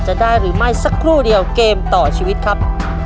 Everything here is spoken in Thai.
จะได้หรือไม่สักครู่เดียวเกมต่อชีวิตครับ